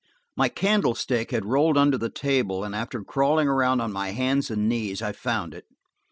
My candlestick had rolled under the table, and after crawling around on my hands and knees, I found it.